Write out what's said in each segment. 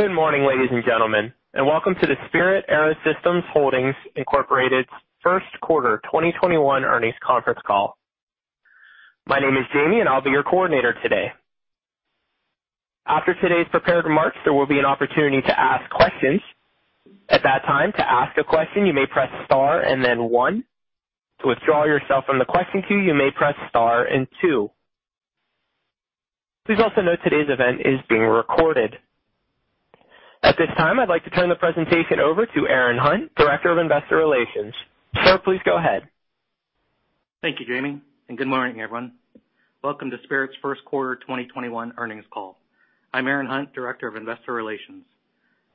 Good morning, ladies and gentlemen, and welcome to the Spirit AeroSystems Holdings Incorporated's first quarter 2021 earnings conference call. My name is Jamie, and I'll be your coordinator today. After today's prepared remarks, there will be an opportunity to ask questions. At that time, to ask a question, you may press Star and then one. To withdraw yourself from the question queue, you may press Star and two. Please also note today's event is being recorded. At this time, I'd like to turn the presentation over to Aaron Hunt, Director of Investor Relations. Sir, please go ahead. Thank you, Jamie, and good morning, everyone. Welcome to Spirit's first quarter 2021 earnings call. I'm Aaron Hunt, Director of Investor Relations,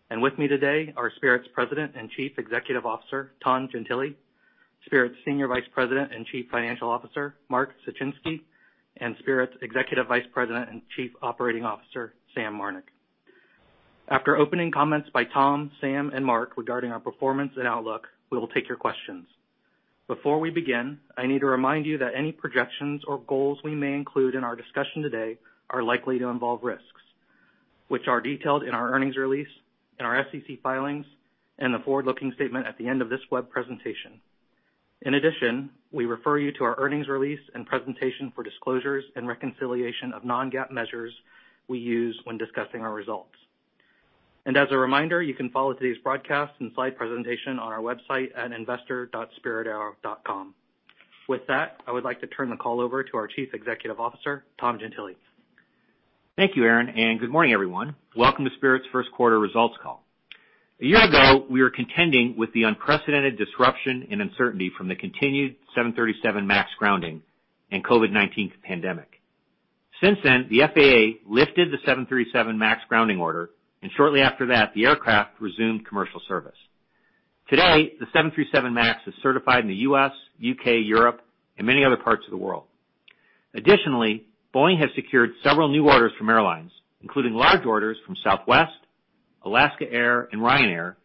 and with me today are Spirit's President and Chief Executive Officer, Tom Gentile, Spirit's Senior Vice President and Chief Financial Officer, Mark Suchinski, and Spirit's Executive Vice President and Chief Operating Officer, Sam Marnick. After opening comments by Tom, Sam, and Mark regarding our performance and outlook, we will take your questions. Before we begin, I need to remind you that any projections or goals we may include in our discussion today are likely to involve risks, which are detailed in our earnings release, in our SEC filings, and the forward-looking statement at the end of this web presentation. In addition, we refer you to our earnings release and presentation for disclosures and reconciliation of non-GAAP measures we use when discussing our results. As a reminder, you can follow today's broadcast and slide presentation on our website at investor.spiritaero.com. With that, I would like to turn the call over to our Chief Executive Officer, Tom Gentile. Thank you, Aaron, and good morning, everyone. Welcome to Spirit's first quarter results call. A year ago, we were contending with the unprecedented disruption and uncertainty from the continued 737 MAX grounding and COVID-19 pandemic. Since then, the FAA lifted the 737 MAX grounding order, and shortly after that, the aircraft resumed commercial service. Today, the 737 MAX is certified in the U.S., U.K., Europe, and many other parts of the world. Additionally, Boeing has secured several new orders from airlines, including large orders from Southwest, Alaska Air, and Ryanair,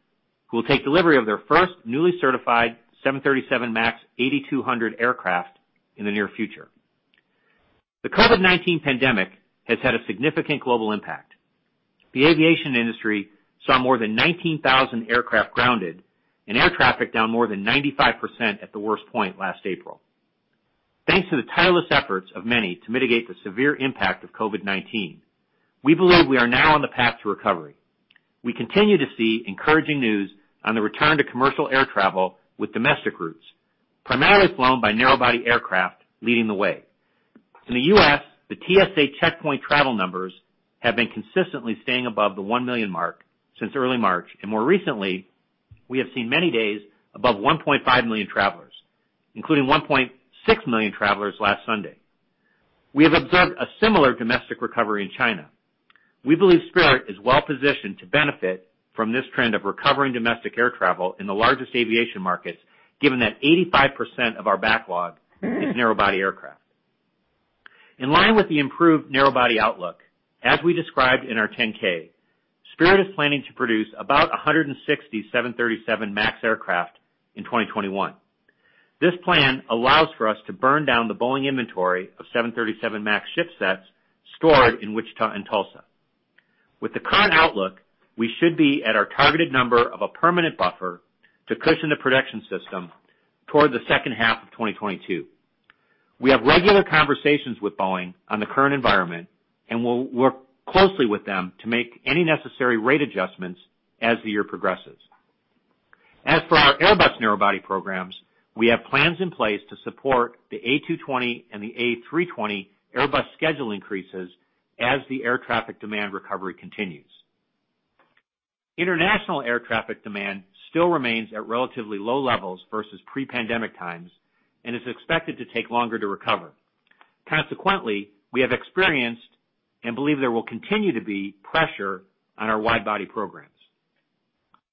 who will take delivery of their first newly certified 737 MAX 8-200 aircraft in the near future. The COVID-19 pandemic has had a significant global impact. The aviation industry saw more than 19,000 aircraft grounded and air traffic down more than 95% at the worst point last April. Thanks to the tireless efforts of many to mitigate the severe impact of COVID-19, we believe we are now on the path to recovery. We continue to see encouraging news on the return to commercial air travel with domestic routes, primarily flown by narrow-body aircraft leading the way. In the U.S., the TSA checkpoint travel numbers have been consistently staying above the 1 million mark since early March, and more recently, we have seen many days above 1.5 million travelers, including 1.6 million travelers last Sunday. We have observed a similar domestic recovery in China. We believe Spirit is well-positioned to benefit from this trend of recovering domestic air travel in the largest aviation markets, given that 85% of our backlog is narrow-body aircraft. In line with the improved narrow-body outlook, as we described in our 10-K, Spirit is planning to produce about 160 737 MAX aircraft in 2021. This plan allows for us to burn down the Boeing inventory of 737 MAX shipsets stored in Wichita and Tulsa. With the current outlook, we should be at our targeted number of a permanent buffer to cushion the production system toward the second half of 2022. We have regular conversations with Boeing on the current environment, and we'll work closely with them to make any necessary rate adjustments as the year progresses. As for our Airbus narrow-body programs, we have plans in place to support the A220 and the A320 Airbus schedule increases as the air traffic demand recovery continues. International air traffic demand still remains at relatively low levels versus pre-pandemic times and is expected to take longer to recover. Consequently, we have experienced and believe there will continue to be pressure on our wide-body programs.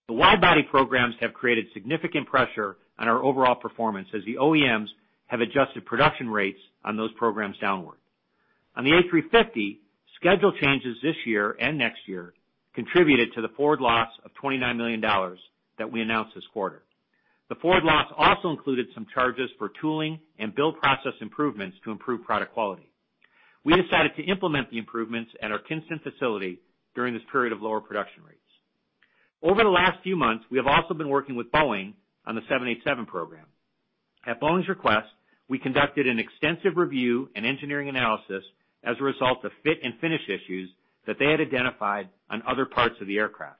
The wide-body programs have created significant pressure on our overall performance as the OEMs have adjusted production rates on those programs downward. On the A350, schedule changes this year and next year contributed to the forward loss of $29 million that we announced this quarter. The forward loss also included some charges for tooling and build process improvements to improve product quality. We decided to implement the improvements at our Kinston facility during this period of lower production rates. Over the last few months, we have also been working with Boeing on the 787 program. At Boeing's request, we conducted an extensive review and engineering analysis as a result of fit and finish issues that they had identified on other parts of the aircraft.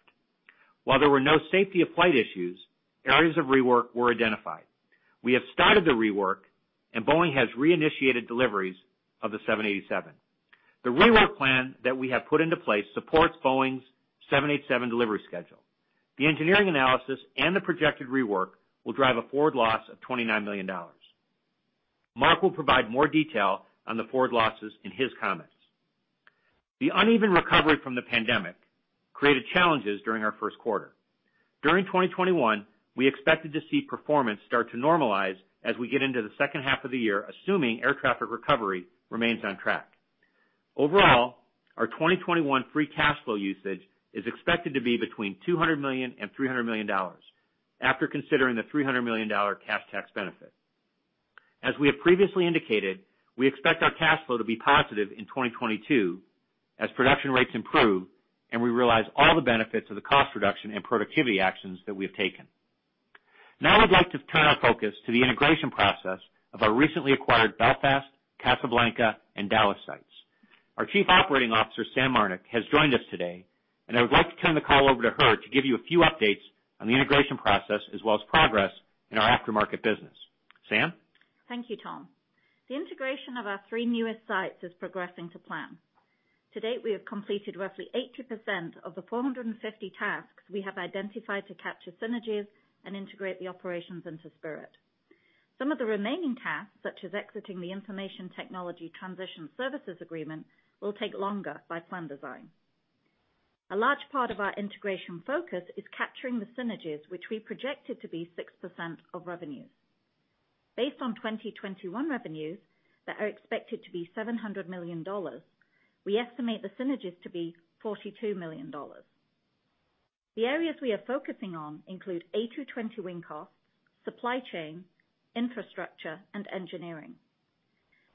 While there were no safety of flight issues, areas of rework were identified. We have started the rework, and Boeing has reinitiated deliveries of the 787. The rework plan that we have put into place supports Boeing's 787 delivery schedule. The engineering analysis and the projected rework will drive a forward loss of $29 million. Mark will provide more detail on the forward losses in his comments. The uneven recovery from the pandemic created challenges during our first quarter. During 2021, we expected to see performance start to normalize as we get into the second half of the year, assuming air traffic recovery remains on track. Overall, our 2021 free cash flow usage is expected to be between $200 million and $300 million after considering the $300 million cash tax benefit.... As we have previously indicated, we expect our cash flow to be positive in 2022 as production rates improve and we realize all the benefits of the cost reduction and productivity actions that we have taken. Now I'd like to turn our focus to the integration process of our recently acquired Belfast, Casablanca, and Dallas sites. Our Chief Operating Officer, Sam Marnick, has joined us today, and I would like to turn the call over to her to give you a few updates on the integration process, as well as progress in our aftermarket business. Sam? Thank you, Tom. The integration of our three newest sites is progressing to plan. To date, we have completed roughly 80% of the 450 tasks we have identified to capture synergies and integrate the operations into Spirit. Some of the remaining tasks, such as exiting the information technology transition services agreement, will take longer by plan design. A large part of our integration focus is capturing the synergies, which we projected to be 6% of revenue. Based on 2021 revenues that are expected to be $700 million, we estimate the synergies to be $42 million. The areas we are focusing on include A320 wing costs, supply chain, infrastructure, and engineering.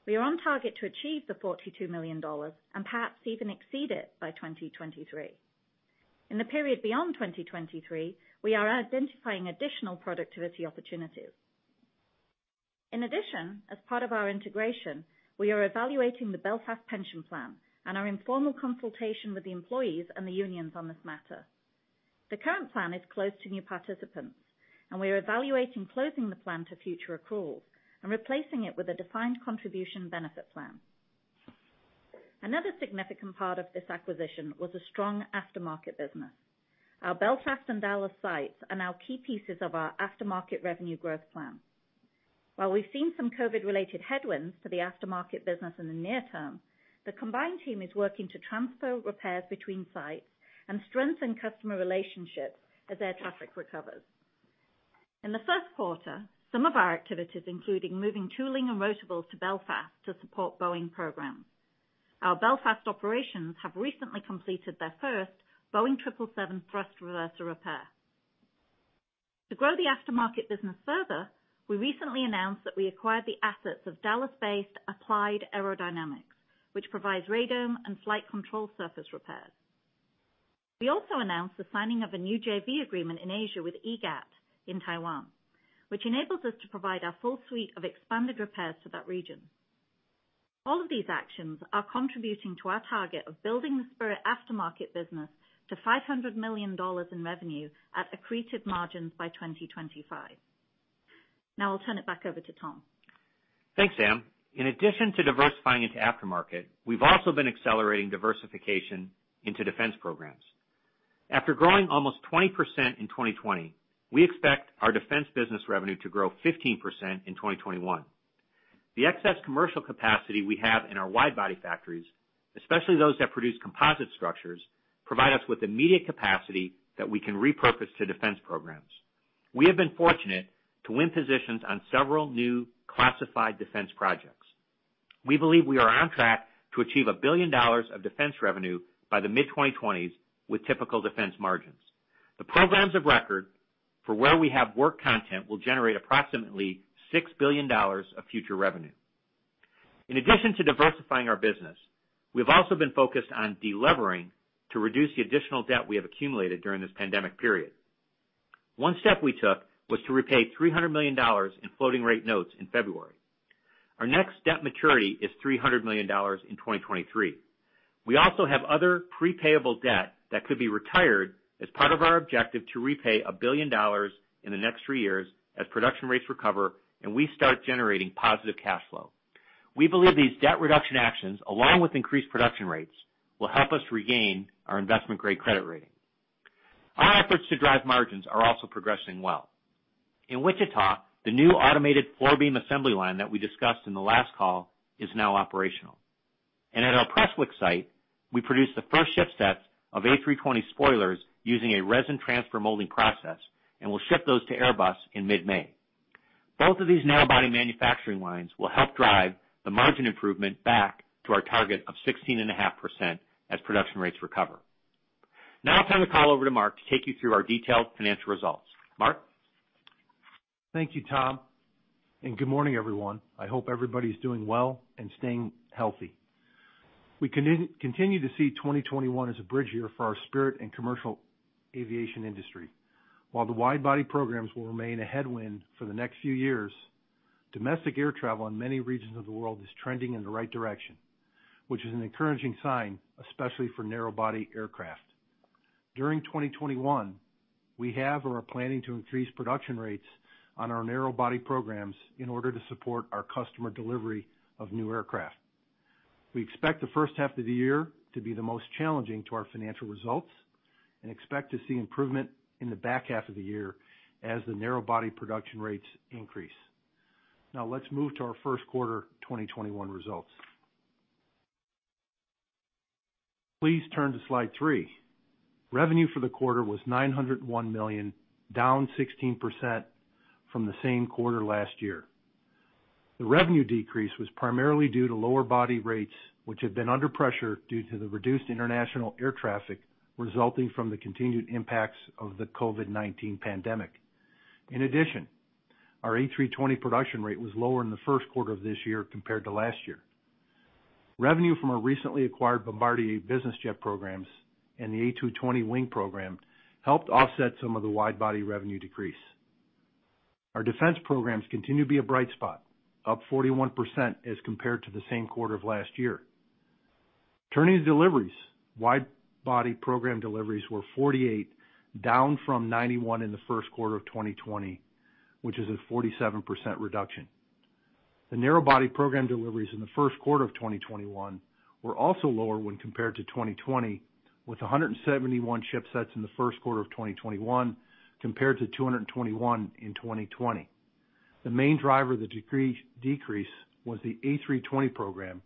We are on target to achieve the $42 million and perhaps even exceed it by 2023. In the period beyond 2023, we are identifying additional productivity opportunities. In addition, as part of our integration, we are evaluating the Belfast pension plan and are in formal consultation with the employees and the unions on this matter. The current plan is closed to new participants, and we are evaluating closing the plan to future accruals and replacing it with a defined contribution benefit plan. Another significant part of this acquisition was a strong aftermarket business. Our Belfast and Dallas sites are now key pieces of our aftermarket revenue growth plan. While we've seen some COVID-related headwinds to the aftermarket business in the near term, the combined team is working to transfer repairs between sites and strengthen customer relationships as air traffic recovers. In the first quarter, some of our activities, including moving tooling and rotables to Belfast to support Boeing programs. Our Belfast operations have recently completed their first Boeing 777 thrust reverser repair. To grow the aftermarket business further, we recently announced that we acquired the assets of Dallas-based Applied Aerodynamics, which provides radome and flight control surface repairs. We also announced the signing of a new JV agreement in Asia with EGAT in Taiwan, which enables us to provide our full suite of expanded repairs to that region. All of these actions are contributing to our target of building the Spirit aftermarket business to $500 million in revenue at accretive margins by 2025. Now I'll turn it back over to Tom. Thanks, Sam. In addition to diversifying into aftermarket, we've also been accelerating diversification into defense programs. After growing almost 20% in 2020, we expect our defense business revenue to grow 15% in 2021. The excess commercial capacity we have in our wide-body factories, especially those that produce composite structures, provide us with immediate capacity that we can repurpose to defense programs. We have been fortunate to win positions on several new classified defense projects. We believe we are on track to achieve $1 billion of defense revenue by the mid-2020s with typical defense margins. The programs of record for where we have work content will generate approximately $6 billion of future revenue. In addition to diversifying our business, we've also been focused on delevering to reduce the additional debt we have accumulated during this pandemic period. One step we took was to repay $300 million in floating rate notes in February. Our next debt maturity is $300 million in 2023. We also have other pre-payable debt that could be retired as part of our objective to repay $1 billion in the next three years as production rates recover and we start generating positive cash flow. We believe these debt reduction actions, along with increased production rates, will help us regain our investment-grade credit rating. Our efforts to drive margins are also progressing well. In Wichita, the new automated floor beam assembly line that we discussed in the last call is now operational. At our Prestwick site, we produced the first shipset of A320 spoilers using a resin transfer molding process and will ship those to Airbus in mid-May. Both of these narrow-body manufacturing lines will help drive the margin improvement back to our target of 16.5% as production rates recover. Now I'll turn the call over to Mark to take you through our detailed financial results. Mark? Thank you, Tom, and good morning, everyone. I hope everybody's doing well and staying healthy. We continue to see 2021 as a bridge year for our Spirit and commercial aviation industry. While the wide-body programs will remain a headwind for the next few years, domestic air travel in many regions of the world is trending in the right direction, which is an encouraging sign, especially for narrow-body aircraft. During 2021, we have or are planning to increase production rates on our narrow-body programs in order to support our customer delivery of new aircraft. We expect the first half of the year to be the most challenging to our financial results and expect to see improvement in the back half of the year as the narrow-body production rates increase. Now, let's move to our first quarter 2021 results. Please turn to slide 3. Revenue for the quarter was $901 million, down 16% from the same quarter last year. The revenue decrease was primarily due to lower wide-body rates, which have been under pressure due to the reduced international air traffic resulting from the continued impacts of the COVID-19 pandemic. In addition, our A320 production rate was lower in the first quarter of this year compared to last year. Revenue from our recently acquired Bombardier business jet programs and the A220 wing program helped offset some of the wide-body revenue decrease. Our defense programs continue to be a bright spot, up 41% as compared to the same quarter of last year. Turning to deliveries, wide-body program deliveries were 48, down from 91 in the first quarter of 2020, which is a 47% reduction. The narrow-body program deliveries in the first quarter of 2021 were also lower when compared to 2020, with 171 shipsets in the first quarter of 2021, compared to 221 in 2020. The main driver of the decrease was the A320 program,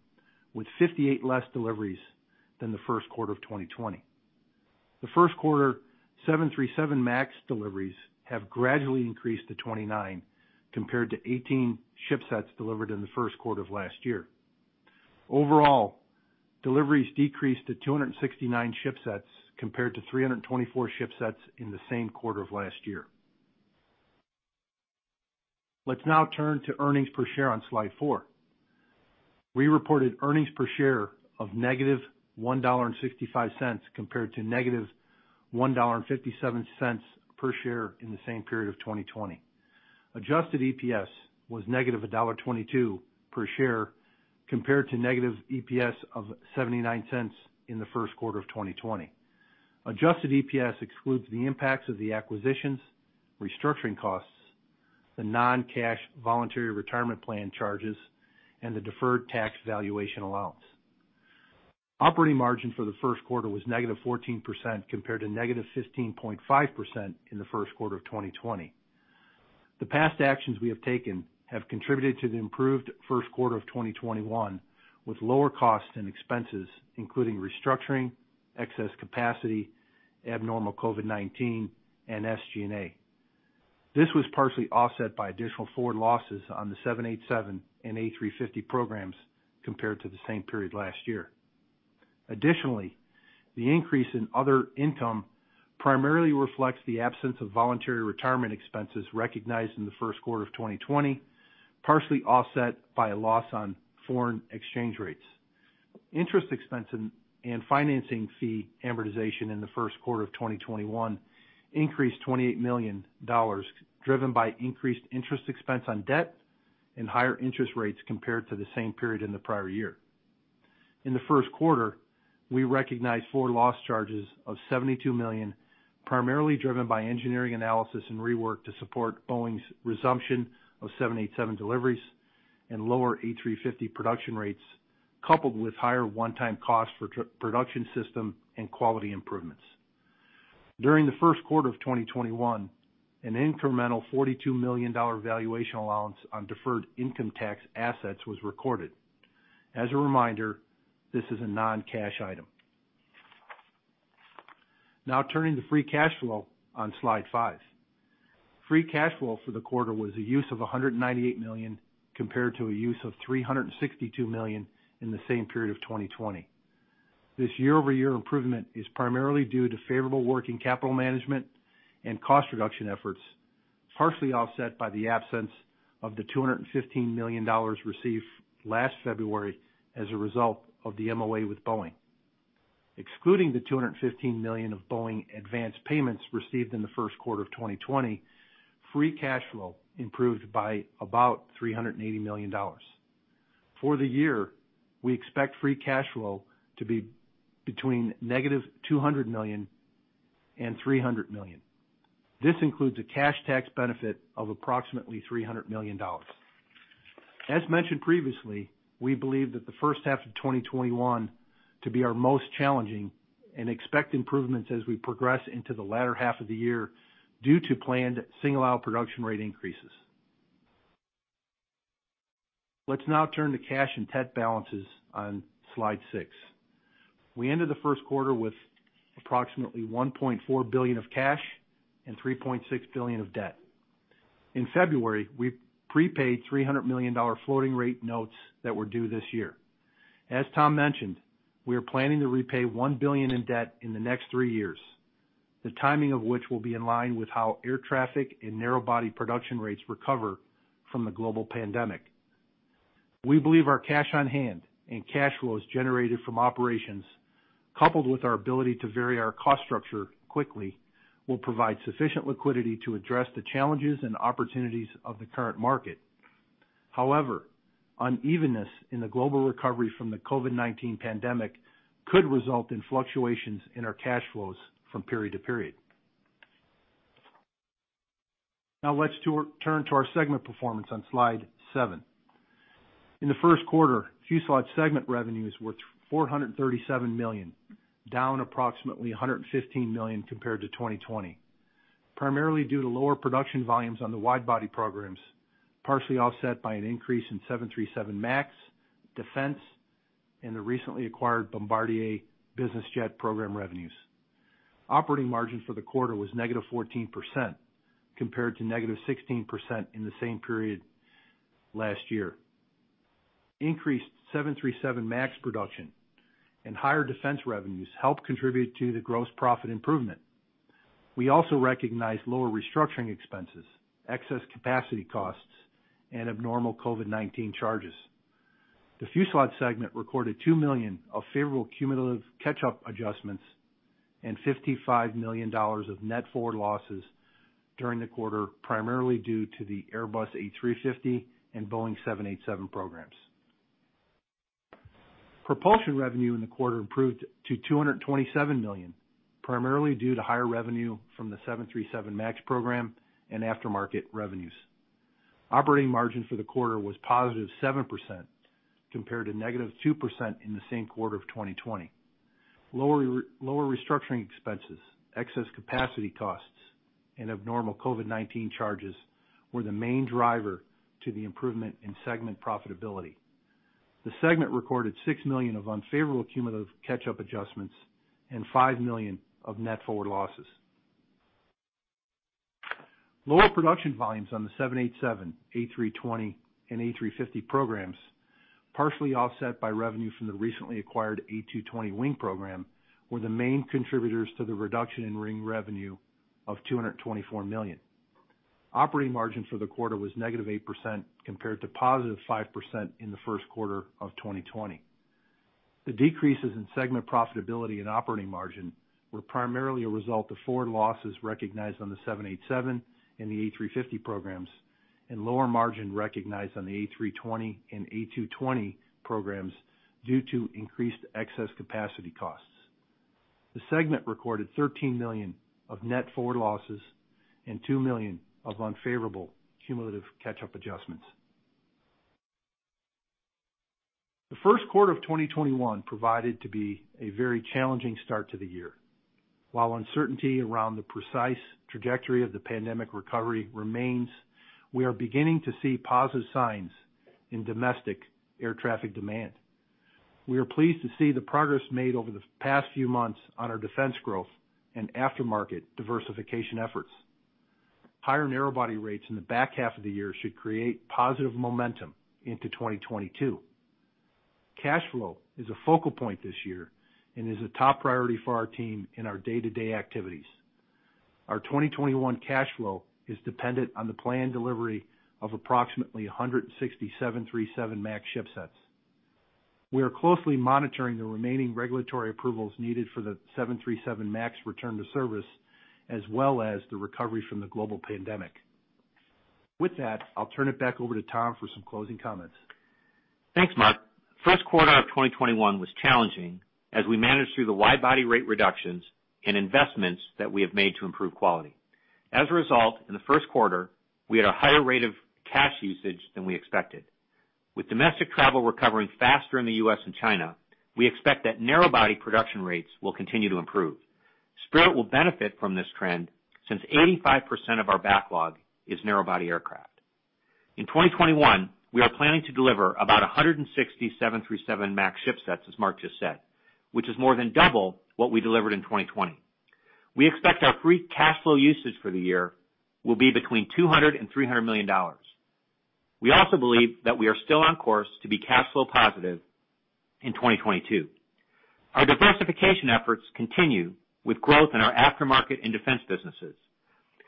with 58 less deliveries than the first quarter of 2020. The first quarter, 737 MAX deliveries have gradually increased to 29, compared to 18 shipsets delivered in the first quarter of last year. Overall, deliveries decreased to 269 shipsets, compared to 324 shipsets in the same quarter of last year. Let's now turn to earnings per share on slide 4. We reported earnings per share of negative $1.65, compared to negative $1.57 per share in the same period of 2020. Adjusted EPS was negative $1.22 per share, compared to negative EPS of $0.79 in the first quarter of 2020. Adjusted EPS excludes the impacts of the acquisitions, restructuring costs, the non-cash voluntary retirement plan charges, and the deferred tax valuation allowance. Operating margin for the first quarter was negative 14%, compared to negative 15.5% in the first quarter of 2020. The past actions we have taken have contributed to the improved first quarter of 2021, with lower costs and expenses, including restructuring, excess capacity, abnormal COVID-19, and SG&A. This was partially offset by additional forward losses on the 787 and A350 programs compared to the same period last year. Additionally, the increase in other income primarily reflects the absence of voluntary retirement expenses recognized in the first quarter of 2020, partially offset by a loss on foreign exchange rates. Interest expense and financing fee amortization in the first quarter of 2021 increased $28 million, driven by increased interest expense on debt and higher interest rates compared to the same period in the prior year. In the first quarter, we recognized forward loss charges of $72 million, primarily driven by engineering analysis and rework to support Boeing's resumption of 787 deliveries and lower A350 production rates, coupled with higher one-time costs for thrust reverser production system and quality improvements. During the first quarter of 2021, an incremental $42 million valuation allowance on deferred income tax assets was recorded. As a reminder, this is a non-cash item. Now turning to free cash flow on slide 5. Free cash flow for the quarter was a use of $198 million, compared to a use of $362 million in the same period of 2020. This year-over-year improvement is primarily due to favorable working capital management and cost reduction efforts, partially offset by the absence of the $215 million received last February as a result of the MOA with Boeing. Excluding the $215 million of Boeing advanced payments received in the first quarter of 2020, free cash flow improved by about $380 million. For the year, we expect free cash flow to be between -$200 million and $300 million. This includes a cash tax benefit of approximately $300 million. As mentioned previously, we believe that the first half of 2021 to be our most challenging, and expect improvements as we progress into the latter half of the year due to planned single-aisle production rate increases. Let's now turn to cash and debt balances on slide 6. We ended the first quarter with approximately $1.4 billion of cash and $3.6 billion of debt. In February, we prepaid $300 million floating rate notes that were due this year. As Tom mentioned, we are planning to repay $1 billion in debt in the next three years, the timing of which will be in line with how air traffic and narrow-body production rates recover from the global pandemic. We believe our cash on hand and cash flows generated from operations, coupled with our ability to vary our cost structure quickly, will provide sufficient liquidity to address the challenges and opportunities of the current market. However, unevenness in the global recovery from the COVID-19 pandemic could result in fluctuations in our cash flows from period to period. Now let's turn to our segment performance on slide 7. In the first quarter, Fuselage segment revenues were $437 million, down approximately $115 million compared to 2020, primarily due to lower production volumes on the wide-body programs, partially offset by an increase in 737 MAX, defense, and the recently acquired Bombardier Business Jet program revenues. Operating margin for the quarter was -14%, compared to -16% in the same period last year. Increased 737 MAX production and higher defense revenues helped contribute to the gross profit improvement. We also recognized lower restructuring expenses, excess capacity costs, and abnormal COVID-19 charges. The Fuselage segment recorded $2 million of favorable cumulative catch-up adjustments and $55 million of net forward losses during the quarter, primarily due to the Airbus A350 and Boeing 787 programs. Propulsion revenue in the quarter improved to $227 million, primarily due to higher revenue from the 737 MAX program and aftermarket revenues. Operating margin for the quarter was positive 7% compared to negative 2% in the same quarter of 2020. Lower restructuring expenses, excess capacity costs, and abnormal COVID-19 charges were the main driver to the improvement in segment profitability. The segment recorded $6 million of unfavorable cumulative catch-up adjustments and $5 million of net forward losses. Lower production volumes on the 787, A320, and A350 programs, partially offset by revenue from the recently acquired A220 wing program, were the main contributors to the reduction in Wing revenue of $224 million. Operating margin for the quarter was -8% compared to 5% in the first quarter of 2020. The decreases in segment profitability and operating margin were primarily a result of forward losses recognized on the 787 and the A350 programs, and lower margin recognized on the A320 and A220 programs due to increased excess capacity costs. The segment recorded $13 million of net forward losses and $2 million of unfavorable cumulative catch-up adjustments. The first quarter of 2021 proved to be a very challenging start to the year. While uncertainty around the precise trajectory of the pandemic recovery remains, we are beginning to see positive signs in domestic air traffic demand. We are pleased to see the progress made over the past few months on our defense growth and aftermarket diversification efforts. Higher narrow-body rates in the back half of the year should create positive momentum into 2022. Cash flow is a focal point this year and is a top priority for our team in our day-to-day activities. Our 2021 cash flow is dependent on the planned delivery of approximately 167 737 MAX shipsets. We are closely monitoring the remaining regulatory approvals needed for the 737 MAX return to service, as well as the recovery from the global pandemic. With that, I'll turn it back over to Tom for some closing comments. Thanks, Mark. First quarter of 2021 was challenging as we managed through the wide-body rate reductions and investments that we have made to improve quality. As a result, in the first quarter, we had a higher rate of cash usage than we expected. With domestic travel recovering faster in the U.S. and China, we expect that narrow-body production rates will continue to improve. Spirit will benefit from this trend since 85% of our backlog is narrow-body aircraft. In 2021, we are planning to deliver about 160 737 MAX shipsets, as Mark just said, which is more than double what we delivered in 2020. We expect our free cash flow usage for the year will be between $200 million and $300 million. We also believe that we are still on course to be cash flow positive in 2022. Our diversification efforts continue with growth in our aftermarket and defense businesses.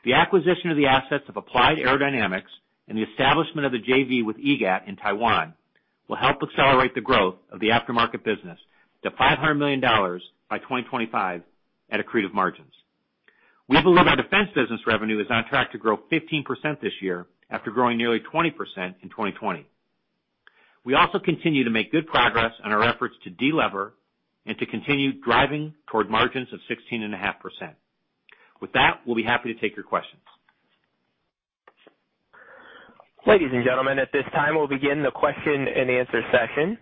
The acquisition of the assets of Applied Aerodynamics and the establishment of the JV with EGAT in Taiwan will help accelerate the growth of the aftermarket business to $500 million by 2025 at accretive margins. We believe our defense business revenue is on track to grow 15% this year after growing nearly 20% in 2020. We also continue to make good progress on our efforts to delever and to continue driving toward margins of 16.5%. With that, we'll be happy to take your questions. Ladies and gentlemen, at this time, we'll begin the question-and-answer session.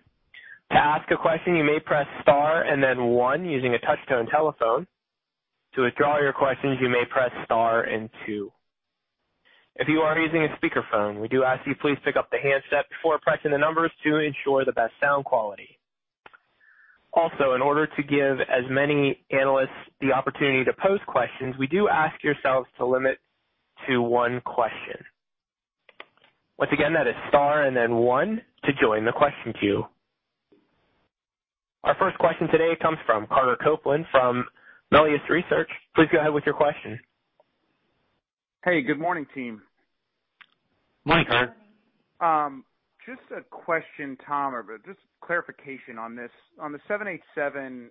To ask a question, you may press star and then one using a touch-tone telephone. To withdraw your questions, you may press star and two. If you are using a speakerphone, we do ask you please pick up the handset before pressing the numbers to ensure the best sound quality. Also, in order to give as many analysts the opportunity to pose questions, we do ask yourselves to limit to one question. Once again, that is star and then one to join the question queue. Our first question today comes from Carter Copeland from Melius Research. Please go ahead with your question. Hey, good morning, team. Morning, Carter. Just a question, Tom, or just clarification on this. On the 787,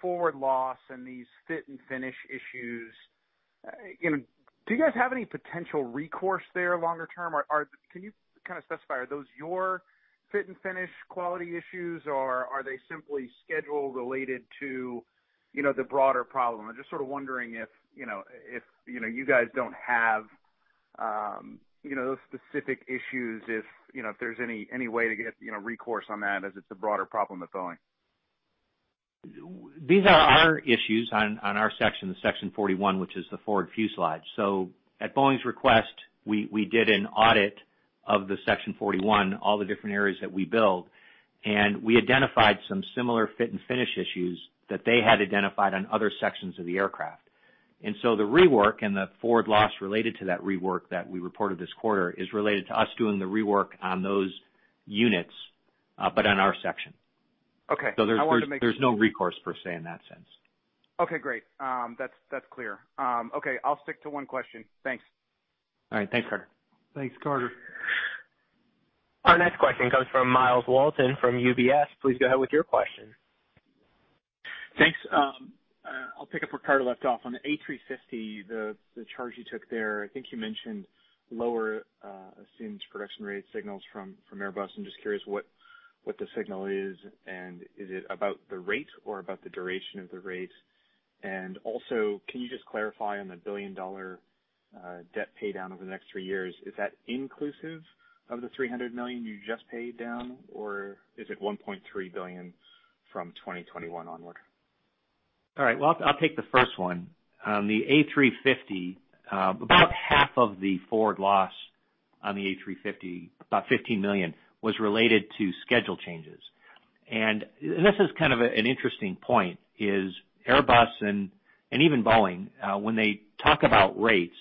forward loss and these fit and finish issues, you know, do you guys have any potential recourse there longer term? Or, or can you kind of specify, are those your fit and finish quality issues, or are they simply schedule related to, you know, the broader problem? I'm just sort of wondering if, you know, if, you know, you guys don't have, you know, those specific issues, if, you know, if there's any, any way to get, you know, recourse on that as it's a broader problem with Boeing. These are our issues on our section, the Section 41, which is the forward fuselage. So at Boeing's request, we did an audit of the Section 41, all the different areas that we build, and we identified some similar fit and finish issues that they had identified on other sections of the aircraft. And so the rework and the forward loss related to that rework that we reported this quarter is related to us doing the rework on those units, but on our section. Okay, so there's no recourse per se, in that sense. Okay, great. That's, that's clear. Okay, I'll stick to one question. Thanks. All right. Thanks, Carter. Thanks, Carter. Our next question comes from Miles Walton from UBS. Please go ahead with your question. Thanks. I'll pick up where Carter left off. On the A350, the charge you took there, I think you mentioned lower assumed production rate signals from Airbus. I'm just curious what the signal is, and is it about the rate or about the duration of the rate? And also, can you just clarify on the billion-dollar debt paydown over the next three years, is that inclusive of the $300 million you just paid down, or is it $1.3 billion from 2021 onward? All right, well, I'll take the first one. The A350, about half of the forward loss on the A350, about $15 million, was related to schedule changes. And this is kind of an interesting point, is Airbus and even Boeing, when they talk about rates,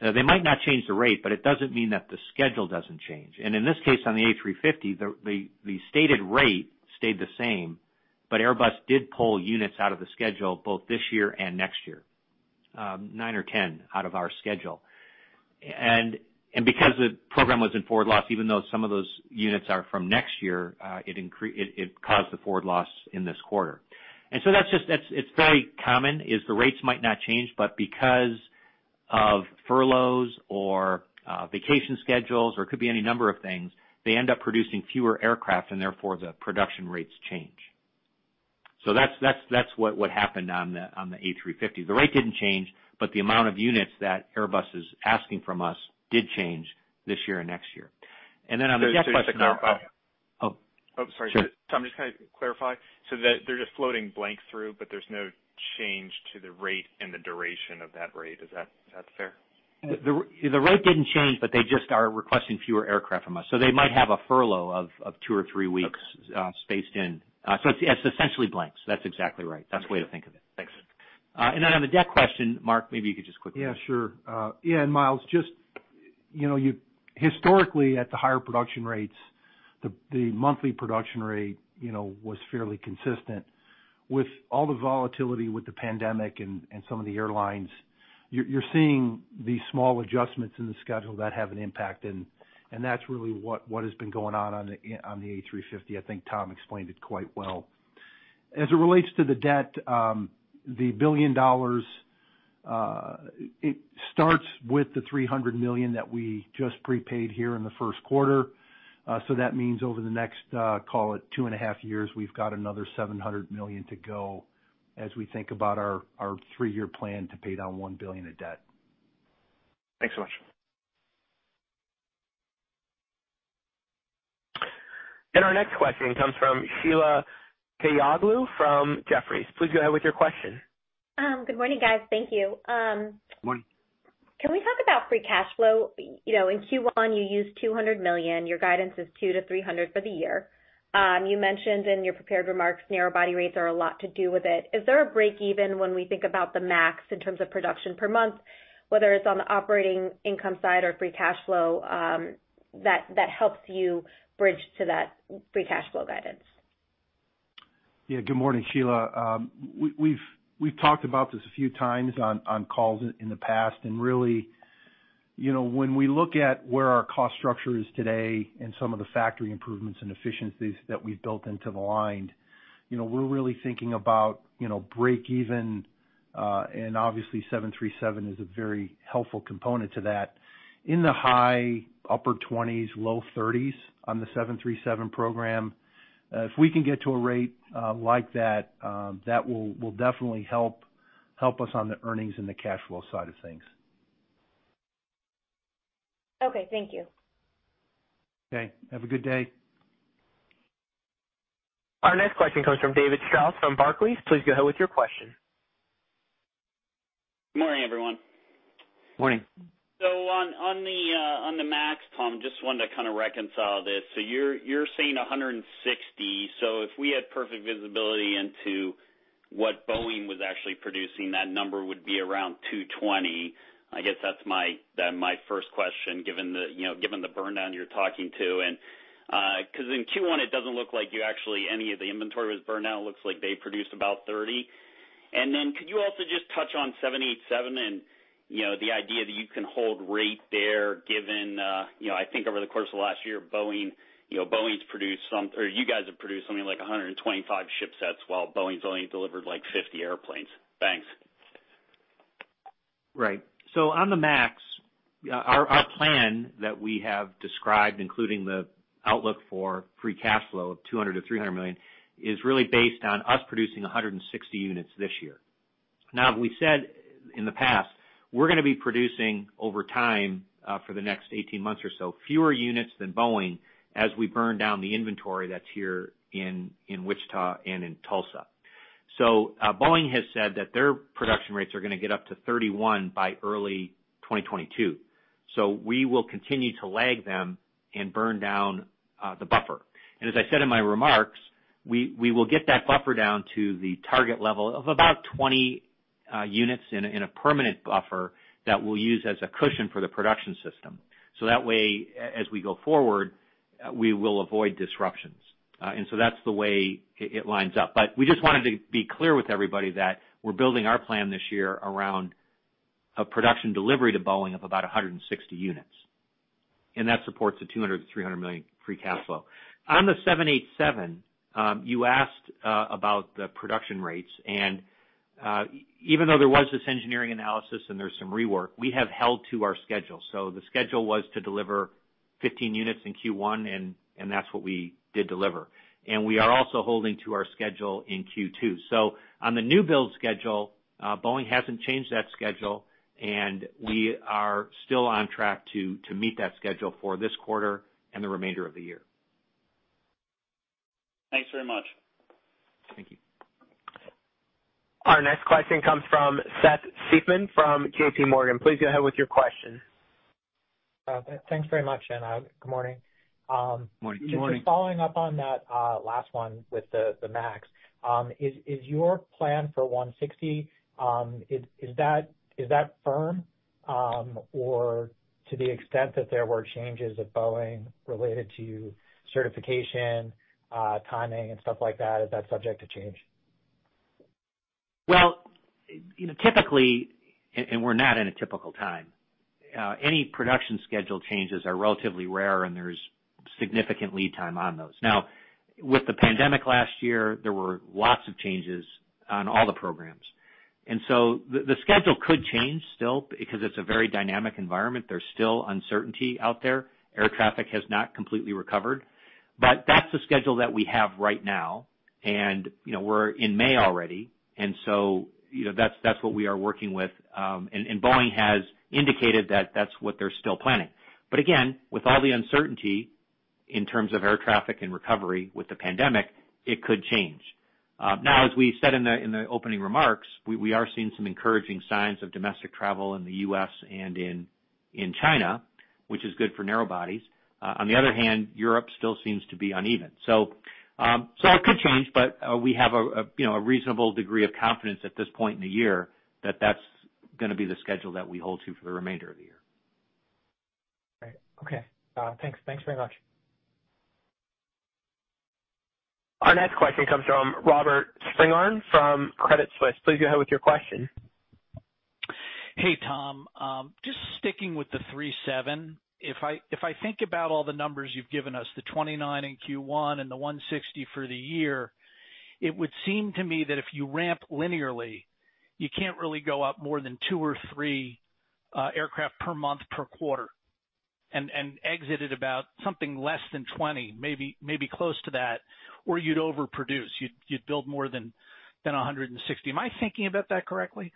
they might not change the rate, but it doesn't mean that the schedule doesn't change. And in this case, on the A350, the stated rate stayed the same, but Airbus did pull units out of the schedule both this year and next year, 9 or 10 out of our schedule. And because the program was in forward loss, even though some of those units are from next year, it caused the forward loss in this quarter. And so that's just—that's, it's very common, the rates might not change, but because of furloughs or vacation schedules, or it could be any number of things, they end up producing fewer aircraft, and therefore, the production rates change. So that's what happened on the A350. The rate didn't change, but the amount of units that Airbus is asking from us did change this year and next year. And then on the debt question— Just to clarify. Oh. Oh, sorry. Sure. I'm just going to clarify. They're just flowing blanks through, but there's no change to the rate and the duration of that rate. Is that fair? The rate didn't change, but they just are requesting fewer aircraft from us, so they might have a furlough of two or three weeks, spaced in. So it's, yeah, it's essentially blanks. That's exactly right. That's the way to think of it. Thanks. On the debt question, Mark, maybe you could just quickly... Yeah, sure. Yeah, and Miles, just, you know, you historically, at the higher production rates, the monthly production rate, you know, was fairly consistent. With all the volatility with the pandemic and some of the airlines, you're seeing these small adjustments in the schedule that have an impact, and that's really what has been going on, on the A350. I think Tom explained it quite well. As it relates to the debt, the $1 billion, it starts with the $300 million that we just prepaid here in the first quarter. So that means over the next, call it 2.5 years, we've got another $700 million to go as we think about our three-year plan to pay down $1 billion of debt. Thanks so much. And our next question comes from Sheila Kahyaoglu from Jefferies. Please go ahead with your question. Good morning, guys. Thank you. Good morning. Can we talk about free cash flow? You know, in Q1, you used $200 million. Your guidance is $200-$300 for the year. You mentioned in your prepared remarks, narrow-body rates are a lot to do with it. Is there a breakeven when we think about the MAX in terms of production per month, whether it's on the operating income side or free cash flow, that helps you bridge to that free cash flow guidance? Yeah. Good morning, Sheila. We've talked about this a few times on calls in the past, and really, you know, when we look at where our cost structure is today and some of the factory improvements and efficiencies that we've built into the line, you know, we're really thinking about, you know, break even, and obviously 737 is a very helpful component to that, in the high upper 20s, low 30s on the 737 program. If we can get to a rate like that, that will definitely help us on the earnings and the cash flow side of things. Okay, thank you. Okay. Have a good day. Our next question comes from David Strauss from Barclays. Please go ahead with your question. Good morning, everyone. Morning. So on the MAX, Tom, just wanted to kind of reconcile this. So you're saying 160. So if we had perfect visibility into what Boeing was actually producing, that number would be around 220. I guess that's my first question, given you know, given the burn down you're talking to. And because in Q1, it doesn't look like you actually any of the inventory was burned down, it looks like they produced about 30. And then could you also just touch on 787 and, you know, the idea that you can hold rate there, given you know, I think over the course of the last year, Boeing, you know, Boeing's produced some... or you guys have produced something like 125 shipsets, while Boeing's only delivered, like, 50 airplanes. Thanks. Right. So on the MAX, our plan that we have described, including the outlook for free cash flow of $200 million-$300 million, is really based on us producing 160 units this year. Now, we've said in the past, we're going to be producing over time, for the next 18 months or so, fewer units than Boeing as we burn down the inventory that's here in Wichita and in Tulsa. So, Boeing has said that their production rates are going to get up to 31 by early 2022. So we will continue to lag them and burn down the buffer. And as I said in my remarks, we will get that buffer down to the target level of about 20... Units in a permanent buffer that we'll use as a cushion for the production system. So that way, as we go forward, we will avoid disruptions. And so that's the way it lines up. But we just wanted to be clear with everybody that we're building our plan this year around a production delivery to Boeing of about 160 units, and that supports the $200 million-$300 million free cash flow. On the 787, you asked about the production rates, and even though there was this engineering analysis and there's some rework, we have held to our schedule. So the schedule was to deliver 15 units in Q1, and that's what we did deliver. And we are also holding to our schedule in Q2. So on the new build schedule, Boeing hasn't changed that schedule, and we are still on track to meet that schedule for this quarter and the remainder of the year. Thanks very much. Thank you. Our next question comes from Seth Seifman from J.P. Morgan. Please go ahead with your question. Thanks very much, and good morning. Morning. Good morning. Just following up on that, last one with the MAX. Is your plan for 160, is that firm? Or to the extent that there were changes at Boeing related to certification, timing, and stuff like that, is that subject to change? Well, you know, typically, and we're not in a typical time, any production schedule changes are relatively rare, and there's significant lead time on those. Now, with the pandemic last year, there were lots of changes on all the programs. And so the schedule could change still because it's a very dynamic environment. There's still uncertainty out there. Air traffic has not completely recovered. But that's the schedule that we have right now. And, you know, we're in May already, and so, you know, that's what we are working with. And Boeing has indicated that that's what they're still planning. But again, with all the uncertainty in terms of air traffic and recovery with the pandemic, it could change. Now, as we said in the opening remarks, we are seeing some encouraging signs of domestic travel in the U.S. and in China, which is good for narrow bodies. On the other hand, Europe still seems to be uneven. So, it could change, but we have, you know, a reasonable degree of confidence at this point in the year that that's gonna be the schedule that we hold to for the remainder of the year. Right. Okay. Thanks. Thanks very much. Our next question comes from Robert Spingarn from Credit Suisse. Please go ahead with your question. Hey, Tom. Just sticking with the 737, if I think about all the numbers you've given us, the 29 in Q1 and the 160 for the year, it would seem to me that if you ramp linearly, you can't really go up more than 2 or 3 aircraft per month, per quarter, and exit at about something less than 20, maybe close to that, or you'd overproduce, you'd build more than 160. Am I thinking about that correctly?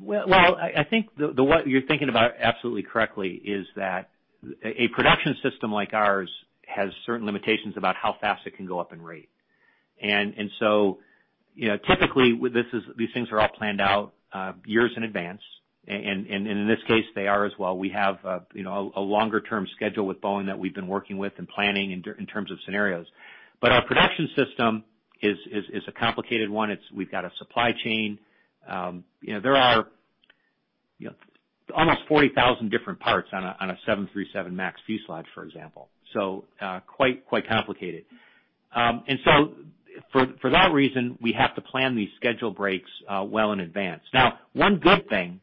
Well, I think what you're thinking about absolutely correctly is that a production system like ours has certain limitations about how fast it can go up in rate. And so, you know, typically, these things are all planned out years in advance. And in this case, they are as well. We have, you know, a longer-term schedule with Boeing that we've been working with and planning in terms of scenarios. But our production system is a complicated one. It's. We've got a supply chain. You know, there are, you know, almost 40,000 different parts on a 737 MAX fuselage, for example. So, quite complicated. And so for that reason, we have to plan these schedule breaks well in advance. Now, one good thing,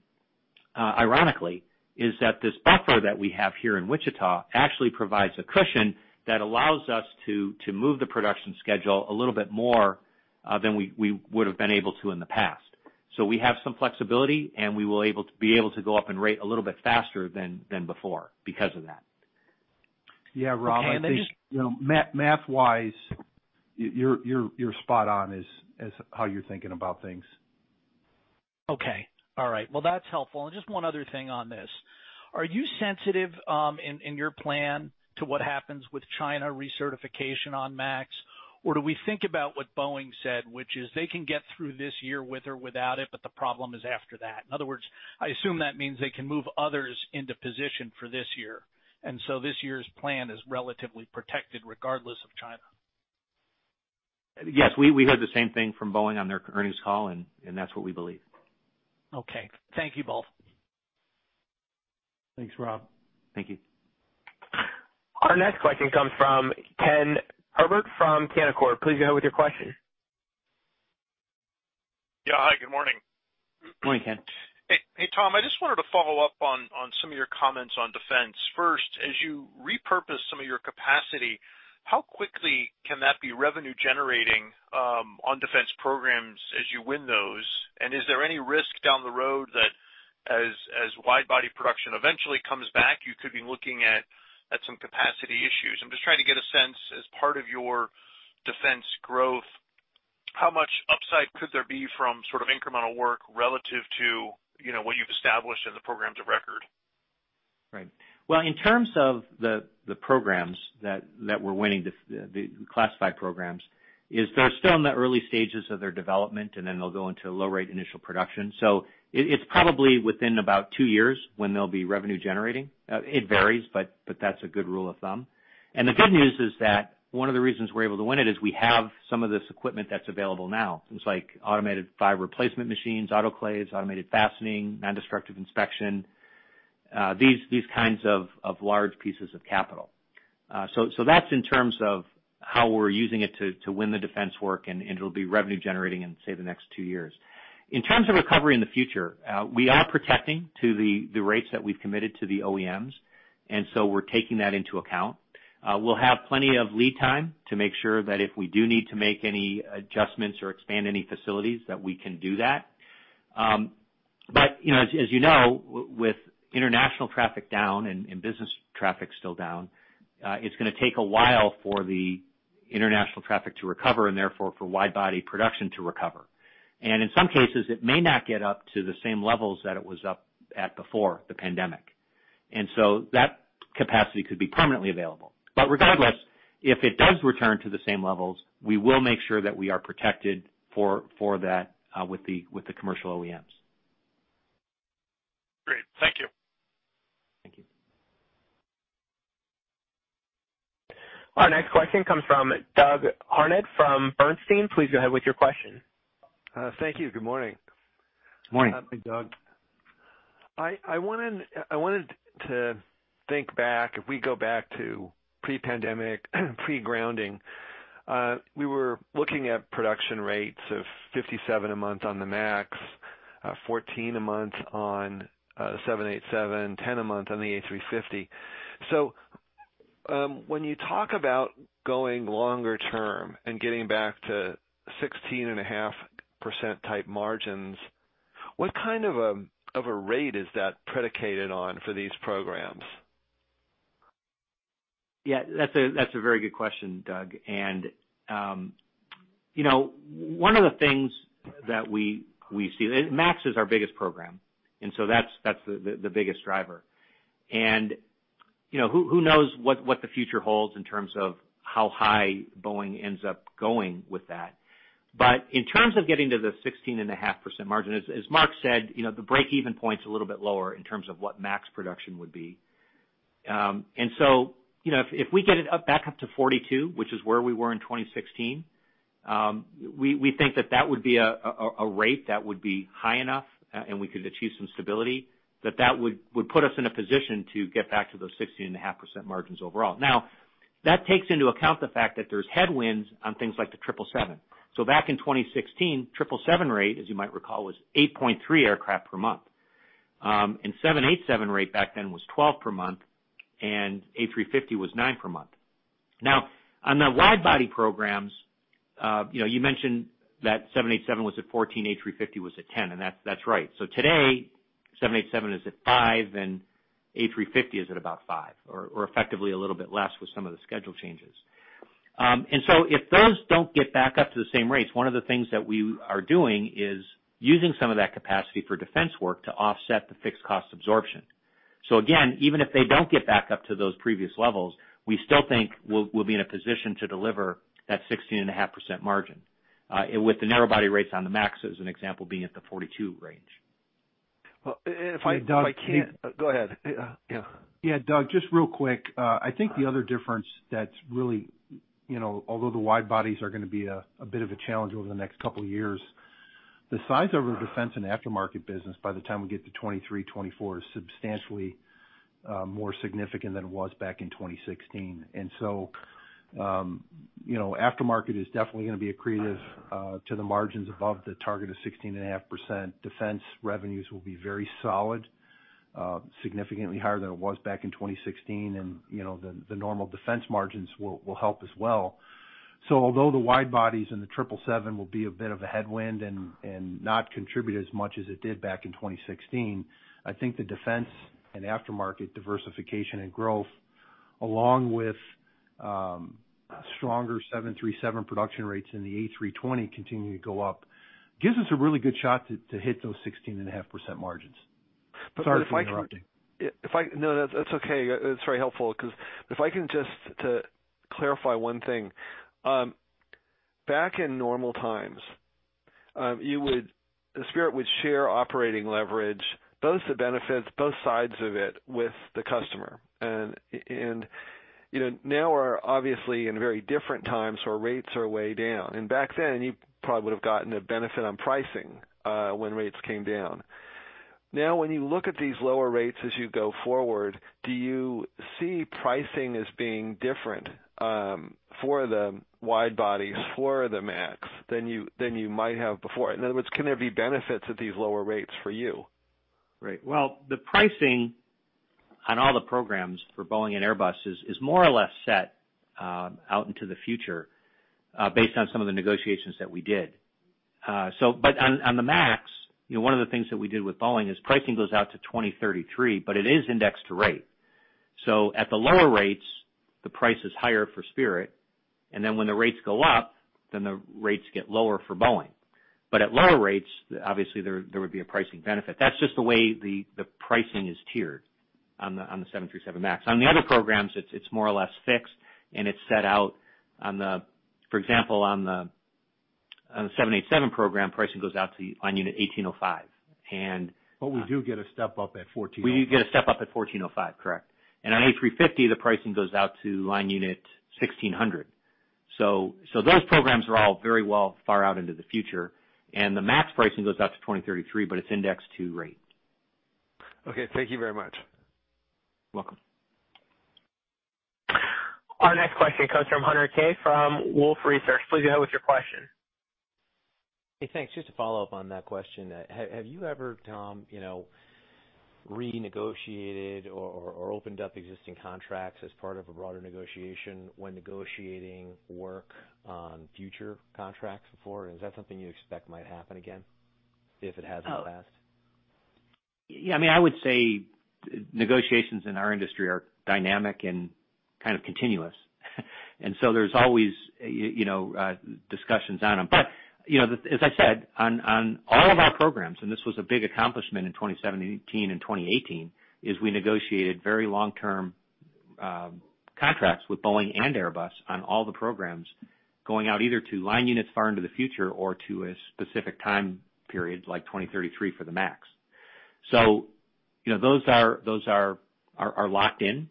ironically, is that this buffer that we have here in Wichita actually provides a cushion that allows us to move the production schedule a little bit more than we would've been able to in the past. So we have some flexibility, and we will be able to go up and rate a little bit faster than before because of that. Yeah, Rob, I think, you know, math-wise, you're spot on, is how you're thinking about things. Okay. All right. Well, that's helpful. Just one other thing on this. Are you sensitive in your plan to what happens with China recertification on MAX? Or do we think about what Boeing said, which is they can get through this year with or without it, but the problem is after that. In other words, I assume that means they can move others into position for this year, and so this year's plan is relatively protected regardless of China. Yes, we heard the same thing from Boeing on their earnings call, and that's what we believe. Okay. Thank you both. Thanks, Rob. Thank you. Our next question comes from Ken Herbert from Canaccord. Please go ahead with your question. Yeah. Hi, good morning. Morning, Ken. Hey, hey, Tom, I just wanted to follow up on some of your comments on defense. First, as you repurpose some of your capacity, how quickly can that be revenue generating on defense programs as you win those? And is there any risk down the road that as wide-body production eventually comes back, you could be looking at some capacity issues? I'm just trying to get a sense, as part of your defense growth, how much upside could there be from sort of incremental work relative to, you know, what you've established in the programs of record? Right. Well, in terms of the programs that we're winning, the classified programs, they're still in the early stages of their development, and then they'll go into low-rate initial production. So it's probably within about 2 years when they'll be revenue generating. It varies, but that's a good rule of thumb. And the good news is that one of the reasons we're able to win it is we have some of this equipment that's available now. Things like automated fiber placement machines, autoclaves, automated fastening, nondestructive inspection, these kinds of large pieces of capital. So that's in terms of how we're using it to win the defense work, and it'll be revenue generating in, say, the next 2 years. In terms of recovery in the future, we are projecting to the rates that we've committed to the OEMs, and so we're taking that into account. We'll have plenty of lead time to make sure that if we do need to make any adjustments or expand any facilities, that we can do that. But, you know, as you know, with international traffic down and business traffic still down, it's gonna take a while for the international traffic to recover, and therefore, for wide-body production to recover. In some cases, it may not get up to the same levels that it was up at before the pandemic, and so that capacity could be permanently available. But regardless, if it does return to the same levels, we will make sure that we are protected for that, with the commercial OEMs. Great. Thank you. Thank you. Our next question comes from Doug Harned from Bernstein. Please go ahead with your question. Thank you. Good morning. Morning. Hey, Doug. I wanted to think back, if we go back to pre-pandemic, pre-grounding, we were looking at production rates of 57 a month on the MAX, 14 a month on 787, 10 a month on the A350. So, when you talk about going longer term and getting back to 16.5% type margins, what kind of a rate is that predicated on for these programs? Yeah, that's a very good question, Doug. And one of the things that we see. And MAX is our biggest program, and so that's the biggest driver. And, you know, who knows what the future holds in terms of how high Boeing ends up going with that. But in terms of getting to the 16.5% margin, as Mark said, you know, the break-even point's a little bit lower in terms of what MAX production would be. And so, you know, if we get it up back up to 42, which is where we were in 2016, we think that would be a rate that would be high enough, and we could achieve some stability, that would put us in a position to get back to those 16.5% margins overall. Now, that takes into account the fact that there's headwinds on things like the 777. So back in 2016, 777 rate, as you might recall, was 8.3 aircraft per month. And 787 rate back then was 12 per month, and A350 was 9 per month. Now, on the wide-body programs, you know, you mentioned that 787 was at 14, A350 was at 10, and that's right. So today, 787 is at 5, and A350 is at about 5, or, or effectively a little bit less with some of the schedule changes. And so if those don't get back up to the same rates, one of the things that we are doing is using some of that capacity for defense work to offset the fixed cost absorption. So again, even if they don't get back up to those previous levels, we still think we'll, we'll be in a position to deliver that 16.5% margin, with the narrowbody rates on the MAX, as an example, being at the 42 range. Well, if I can- Doug- Go ahead. Yeah. Yeah, Doug, just real quick. I think the other difference that's really, you know, although the widebodies are gonna be a bit of a challenge over the next couple of years, the size of the defense and aftermarket business by the time we get to 2023, 2024, is substantially more significant than it was back in 2016. And so, you know, aftermarket is definitely gonna be accretive to the margins above the target of 16.5%. Defense revenues will be very solid, significantly higher than it was back in 2016, and, you know, the normal defense margins will help as well. So although the widebodies and the 777 will be a bit of a headwind and not contribute as much as it did back in 2016, I think the defense and aftermarket diversification and growth, along with stronger 737 production rates and the A320 continuing to go up, gives us a really good shot to hit those 16.5% margins. Sorry for interrupting. If I-- No, that's, that's okay. It's very helpful. 'Cause if I can just to clarify one thing, back in normal times, you would... Spirit would share operating leverage, both the benefits, both sides of it, with the customer. And, and, you know, now we're obviously in very different times, where rates are way down. And back then, you probably would have gotten a benefit on pricing, when rates came down. Now, when you look at these lower rates as you go forward, do you see pricing as being different, for the widebodies, for the MAX, than you, than you might have before? In other words, can there be benefits at these lower rates for you? Right. Well, the pricing on all the programs for Boeing and Airbus is more or less set out into the future based on some of the negotiations that we did. So but on the MAX, you know, one of the things that we did with Boeing is pricing goes out to 2033, but it is indexed to rate. So at the lower rates, the price is higher for Spirit, and then when the rates go up, then the rates get lower for Boeing. But at lower rates, obviously, there would be a pricing benefit. That's just the way the pricing is tiered on the 737 MAX. On the other programs, it's more or less fixed, and it's set out on the—for example, on the 787 program, pricing goes out to line unit 1805. And But we do get a step up at 1405. We do get a step up at 1405, correct. And on A350, the pricing goes out to line unit 1600.... So, so those programs are all very well far out into the future, and the MAX pricing goes out to 2033, but it's indexed to rate. Okay, thank you very much. Welcome. Our next question comes from Hunter Keay from Wolfe Research. Please go ahead with your question. Hey, thanks. Just to follow up on that question, have you ever, Tom, you know, renegotiated or opened up existing contracts as part of a broader negotiation when negotiating work on future contracts before? Is that something you expect might happen again, if it has in the past? Oh. Yeah, I mean, I would say negotiations in our industry are dynamic and kind of continuous. And so there's always you know discussions on them. But you know as I said on all of our programs, and this was a big accomplishment in 2017 and 2018, is we negotiated very long-term contracts with Boeing and Airbus on all the programs going out either to line units far into the future or to a specific time period, like 2033 for the MAX. So you know those are locked in,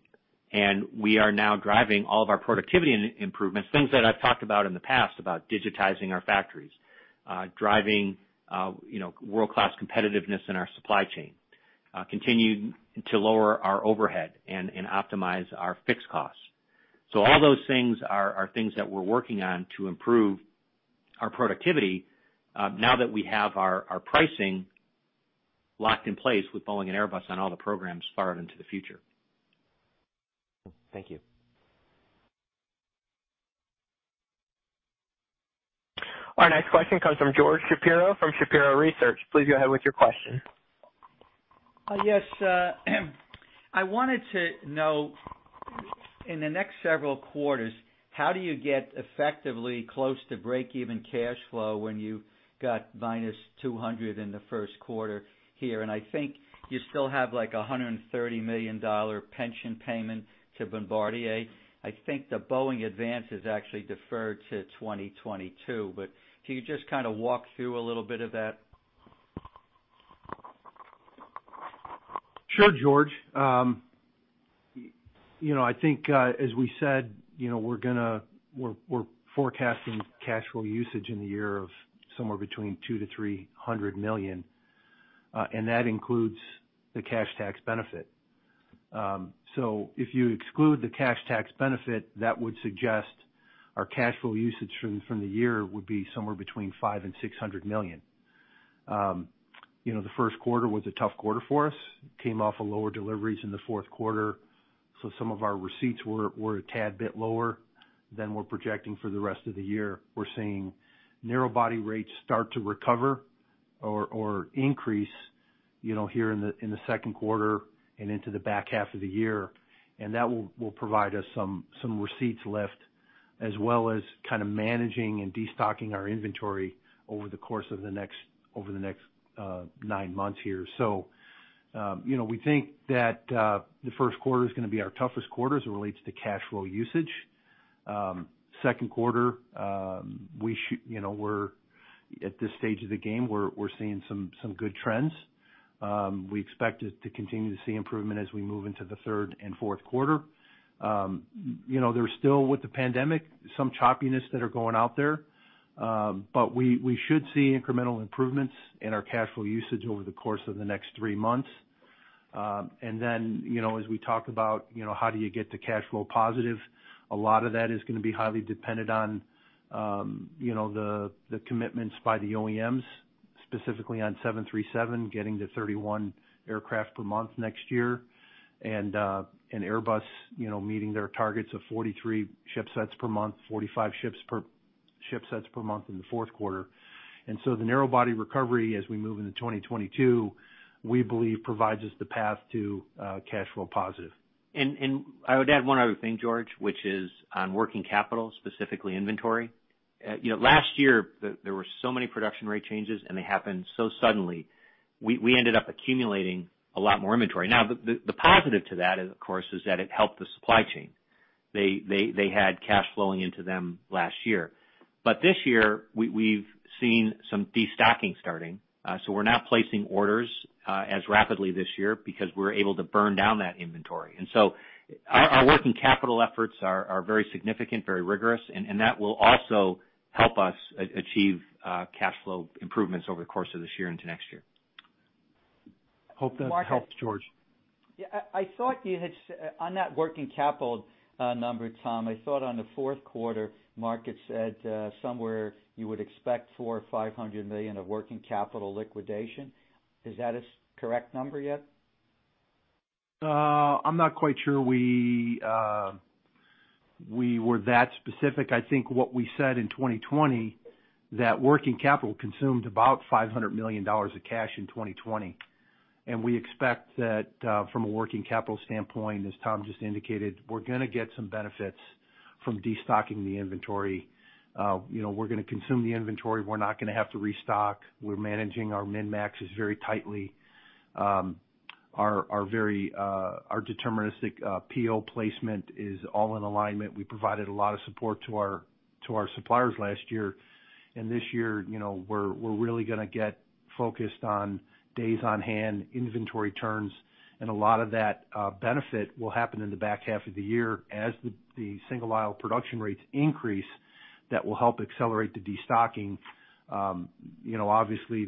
and we are now driving all of our productivity and improvements, things that I've talked about in the past about digitizing our factories driving you know world-class competitiveness in our supply chain continuing to lower our overhead and optimize our fixed costs. So all those things are things that we're working on to improve our productivity, now that we have our pricing locked in place with Boeing and Airbus on all the programs far out into the future. Thank you. Our next question comes from George Shapiro from Shapiro Research. Please go ahead with your question. Yes, I wanted to know, in the next several quarters, how do you get effectively close to breakeven cash flow when you got -$200 million in the first quarter here? I think you still have, like, a $130 million pension payment to Bombardier. I think the Boeing advance is actually deferred to 2022. Can you just kind of walk through a little bit of that? Sure, George. You know, I think, as we said, you know, we're forecasting cash flow usage in the year of somewhere between $200 million-$300 million, and that includes the cash tax benefit. So if you exclude the cash tax benefit, that would suggest our cash flow usage from the year would be somewhere between $500 million-$600 million. You know, the first quarter was a tough quarter for us, came off of lower deliveries in the fourth quarter, so some of our receipts were a tad bit lower than we're projecting for the rest of the year. We're seeing narrow-body rates start to recover or increase, you know, here in the second quarter and into the back half of the year. And that will provide us some receipts lift, as well as kind of managing and destocking our inventory over the course of the next nine months here. So, you know, we think that the first quarter is gonna be our toughest quarter as it relates to cash flow usage. Second quarter, you know, we're at this stage of the game, we're seeing some good trends. We expect to continue to see improvement as we move into the third and fourth quarter. You know, there's still, with the pandemic, some choppiness that are going out there, but we should see incremental improvements in our cash flow usage over the course of the next three months. And then, you know, as we talk about, you know, how do you get to cash flow positive? A lot of that is gonna be highly dependent on, you know, the commitments by the OEMs, specifically on 737, getting to 31 aircraft per month next year, and Airbus, you know, meeting their targets of 43 shipsets per month, 45 shipsets per month in the fourth quarter. And so the narrow-body recovery, as we move into 2022, we believe provides us the path to cash flow positive. And I would add one other thing, George, which is on working capital, specifically inventory. You know, last year, there were so many production rate changes, and they happened so suddenly, we ended up accumulating a lot more inventory. Now, the positive to that, of course, is that it helped the supply chain. They had cash flowing into them last year. But this year, we've seen some destocking starting, so we're not placing orders as rapidly this year because we're able to burn down that inventory. And so our working capital efforts are very significant, very rigorous, and that will also help us achieve cash flow improvements over the course of this year into next year. Hope that helps, George. Yeah, I thought you had said... On that working capital number, Tom, I thought on the fourth quarter, Mark had said somewhere you would expect $400-$500 million of working capital liquidation. Is that a correct number yet? I'm not quite sure we, we were that specific. I think what we said in 2020, that working capital consumed about $500 million of cash in 2020, and we expect that, from a working capital standpoint, as Tom just indicated, we're gonna get some benefits from destocking the inventory. You know, we're gonna consume the inventory. We're not gonna have to restock. We're managing our min-maxes very tightly. Our very deterministic PO placement is all in alignment. We provided a lot of support to our suppliers last year.... This year, you know, we're really gonna get focused on days on hand, inventory turns, and a lot of that benefit will happen in the back half of the year as the single-aisle production rates increase. That will help accelerate the destocking. You know, obviously,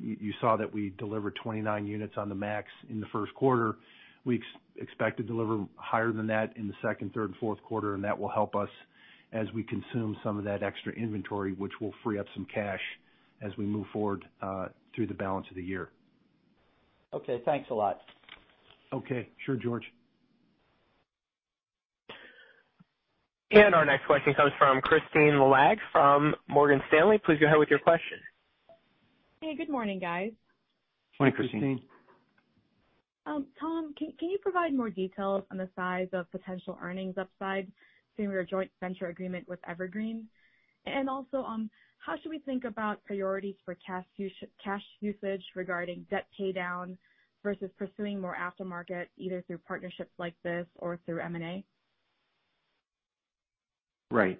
you saw that we delivered 29 units on the MAX in the first quarter. We expect to deliver higher than that in the second, third, and fourth quarter, and that will help us as we consume some of that extra inventory, which will free up some cash as we move forward through the balance of the year. Okay, thanks a lot. Okay. Sure, George. Our next question comes from Kristine Liwag from Morgan Stanley. Please go ahead with your question. Hey, good morning, guys. Morning, Kristine. Tom, can you provide more details on the size of potential earnings upside through your joint venture agreement with Evergreen? And also, how should we think about priorities for cash usage regarding debt paydown versus pursuing more aftermarket, either through partnerships like this or through M&A? Right.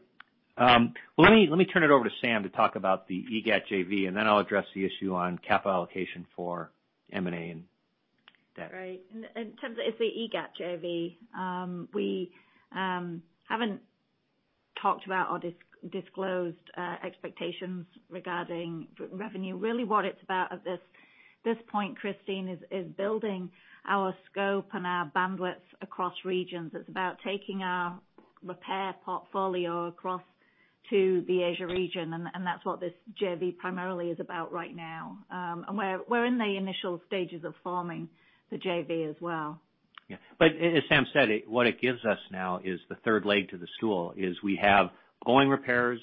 Well, let me, let me turn it over to Sam to talk about the EGAT JV, and then I'll address the issue on capital allocation for M&A and debt. Right. In terms of the EGAT JV, we haven't talked about or disclosed expectations regarding revenue. Really what it's about at this point, Kristine, is building our scope and our bandwidth across regions. It's about taking our repair portfolio across to the Asia region, and that's what this JV primarily is about right now. And we're in the initial stages of forming the JV as well. Yeah, but as Sam said, what it gives us now is the third leg to the stool: we have Boeing repairs,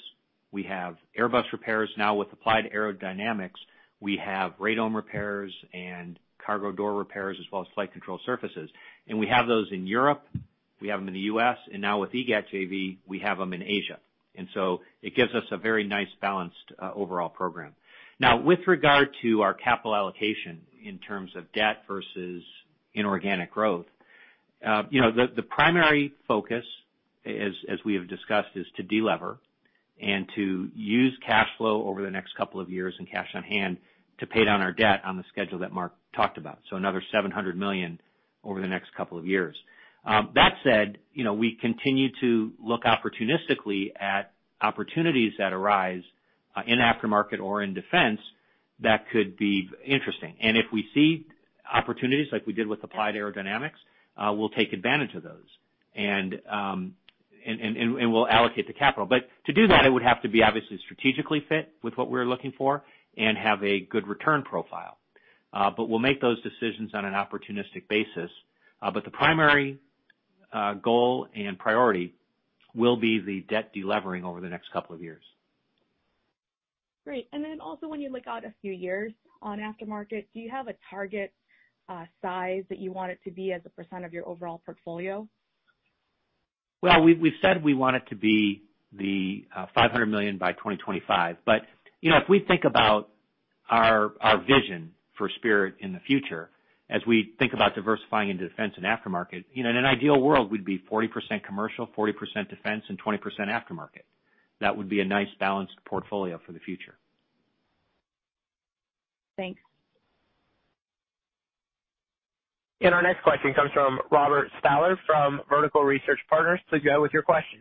we have Airbus repairs. Now, with Applied Aerodynamics, we have radome repairs and cargo door repairs, as well as flight control surfaces. And we have those in Europe, we have them in the US, and now with EGAT JV, we have them in Asia. And so it gives us a very nice balanced overall program. Now, with regard to our capital allocation in terms of debt versus inorganic growth, you know, the primary focus, as we have discussed, is to delever and to use cash flow over the next couple of years, and cash on hand, to pay down our debt on the schedule that Mark talked about, so another $700 million over the next couple of years. That said, you know, we continue to look opportunistically at opportunities that arise in aftermarket or in defense that could be interesting. And if we see opportunities like we did with Applied Aerodynamics, we'll take advantage of those, and we'll allocate the capital. But to do that, it would have to be obviously strategically fit with what we're looking for and have a good return profile. But we'll make those decisions on an opportunistic basis. But the primary goal and priority will be the debt delevering over the next couple of years. Great. And then also, when you look out a few years on aftermarket, do you have a target, size that you want it to be as a percent of your overall portfolio? Well, we've said we want it to be the $500 million by 2025. But, you know, if we think about our vision for Spirit in the future, as we think about diversifying into defense and aftermarket, you know, in an ideal world, we'd be 40% commercial, 40% defense, and 20% aftermarket. That would be a nice balanced portfolio for the future. Thanks. Our next question comes from Robert Stallard from Vertical Research Partners. Please go with your question.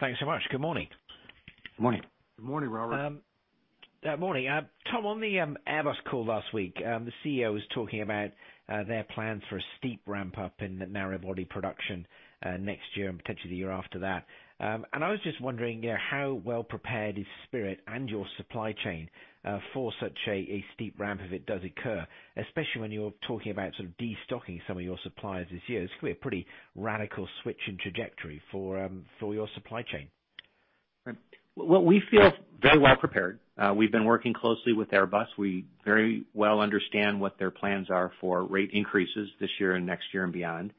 Thanks so much. Good morning. Good morning. Good morning, Robert. Morning. Tom, on the Airbus call last week, the CEO was talking about their plans for a steep ramp-up in the narrow-body production next year and potentially the year after that. And I was just wondering how well prepared is Spirit and your supply chain for such a steep ramp if it does occur, especially when you're talking about sort of destocking some of your suppliers this year. It's gonna be a pretty radical switch in trajectory for your supply chain. Well, we feel very well prepared. We've been working closely with Airbus. We very well understand what their plans are for rate increases this year and next year and beyond,